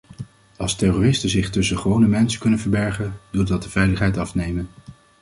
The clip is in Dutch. Als terroristen zich tussen gewone mensen kunnen verbergen, doet dat de veiligheid afnemen.